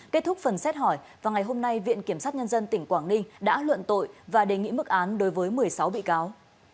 kết thúc phần xét hỏi vào ngày hôm nay viện kiểm sát nhân dân tỉnh quảng ninh đã luận tội và đề nghị mức án đối với một mươi sáu bị cáo